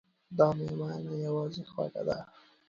دا میوه نه یوازې خوږه ده